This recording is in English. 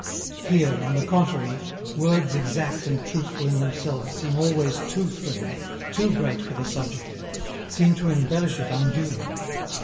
Here, on the contrary, words exact and truthful in themselves seem always too thrilling, too great for the subject; seem to embellish it unduly.